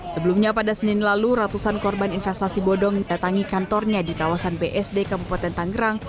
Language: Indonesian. sebelumnya pada senin lalu ratusan korban investasi bodong datangi kantornya di kawasan bsd kabupaten tanggerang